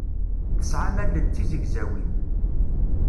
Tesɛam allen d tizegzawin.